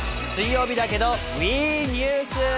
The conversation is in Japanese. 水曜日だけれどもＷＥニュース。